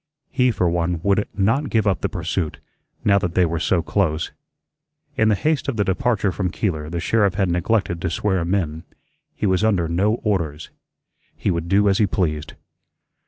He, for one, would not give up the pursuit, now that they were so close. In the haste of the departure from Keeler the sheriff had neglected to swear him in. He was under no orders. He would do as he pleased.